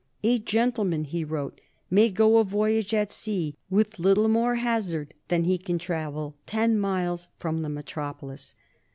"A gentleman," he wrote, "may go a voyage at sea with little more hazard than he can travel ten miles from the metropolis."